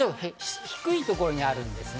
低いところにあるんですね。